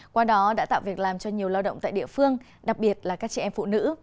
qua đó đã tạo việc làm cho nhiều lao động tại địa phương đặc biệt là các chị em phụ nữ